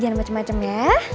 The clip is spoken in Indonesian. jangan macem macem ya